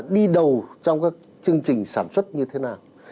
đi đầu trong các chương trình sản xuất như thế nào